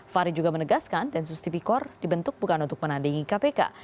fahri juga menegaskan densus tipikor dibentuk bukan untuk menandingi kpk